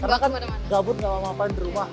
karena kan gabut gak mau ngapain di rumah